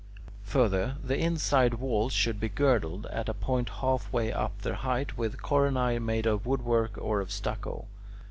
Further, the inside walls should be girdled, at a point halfway up their height, with coronae made of woodwork or of stucco.